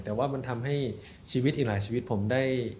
แต่ว่ามันทำให้ชีวิตอีกหลายชีวิตผมได้